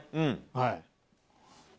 はい。